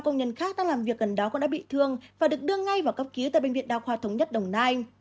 sáu công nhân khác đang làm việc gần đó cũng đã bị thương và được đưa ngay vào cấp cứu tại bệnh viện đa khoa thống nhất đồng nai